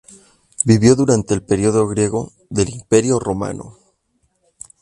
Vivió durante el periodo griego del Imperio Romano.